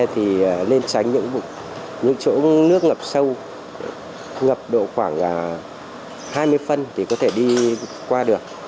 thì nên tránh những chỗ nước ngập sâu ngập độ khoảng hai mươi phân thì có thể đi qua được